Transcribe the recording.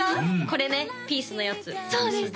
これねピースのやつそうです